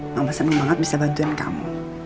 mama senang banget bisa bantuin kamu